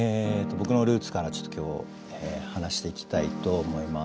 僕のルーツからちょっと今日話していきたいと思います。